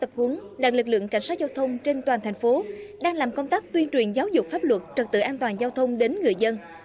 tập hướng là lực lượng cảnh sát giao thông trên toàn thành phố đang làm công tác tuyên truyền giáo dục pháp luật trật tự an toàn giao thông đến người dân